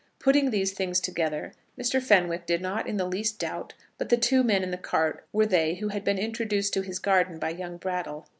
Putting these things together, Mr. Fenwick did not in the least doubt but the two men in the cart were they who had been introduced to his garden by young Brattle.